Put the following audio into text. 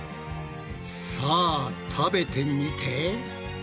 さあ食べてみて！